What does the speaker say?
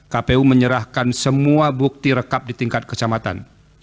kpu menyerahkan semua bukti rekap di tingkat kecamatan